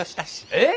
えっ！？